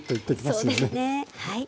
そうですねはい。